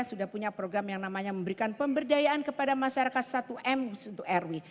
sudah punya program yang namanya memberikan pemberdayaan kepada masyarakat satu m untuk rw